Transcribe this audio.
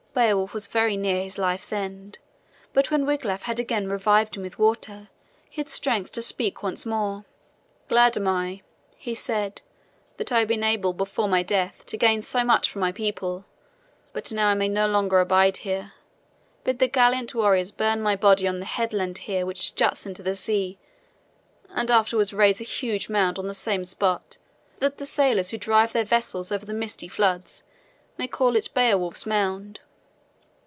Beowulf was very near his life's end, but when Wiglaf had again revived him with water, he had strength to speak once more. "Glad am I," he said, "that I have been able before my death to gain so much for my people. But now I may no longer abide here. Bid the gallant warriors burn my body on the headland here which juts into the sea, and afterwards raise a huge mound on the same spot, that the sailors who drive their vessels over the misty floods may call it Beowulf's Mound."